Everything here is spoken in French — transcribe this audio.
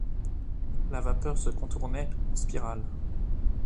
La vapeur se contournait en spirales.